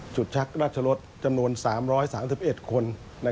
ฉุดชักรราชรถจำนวนสามบ้อยสามสิบเอ็ดคน